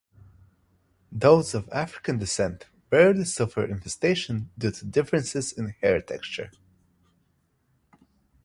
Those of African descent rarely suffer infestation due to differences in hair texture.